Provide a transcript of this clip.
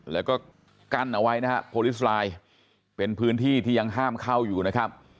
แล้วก็กั้นเอาไว้นะฮะโพลิสไลน์เป็นพื้นที่ที่ยังห้ามเข้าอยู่นะครับ